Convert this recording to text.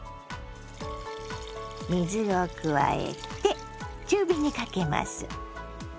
水を加えて中火にかけます。